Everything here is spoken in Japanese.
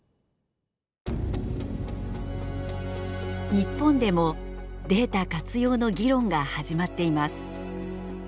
日本でもデータ活用の議論が始まっています。